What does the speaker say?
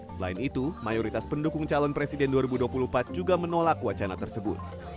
selain itu mayoritas pendukung calon presiden dua ribu dua puluh empat juga menolak wacana tersebut